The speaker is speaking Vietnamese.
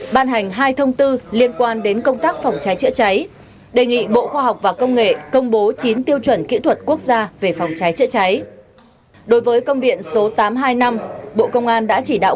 ban hành hai thông tư liên quan đến công tác phòng cháy chữa cháy đề nghị bộ khoa học và công nghệ công bố chín tiêu chuẩn kỹ thuật quốc gia về phòng cháy chữa cháy